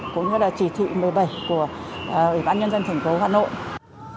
cũng như là chỉ thị một mươi bảy của ủy ban nhân dân thành phố hà nội